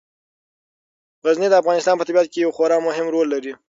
غزني د افغانستان په طبیعت کې یو خورا مهم رول لري.